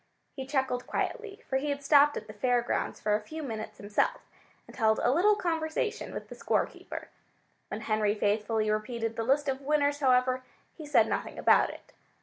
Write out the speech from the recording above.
He chuckled quietly, for he had stopped at the Fair Grounds for a few minutes himself, and held a little conversation with the score keeper. When Henry faithfully repeated the list of winners, however, he said nothing about it.